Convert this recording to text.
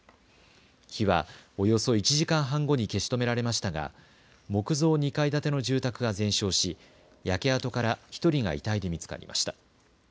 火はおよそ１時間半後に消し止められましたが木造２階建ての住宅が全焼し焼け跡から１人が遺体で見つかりました。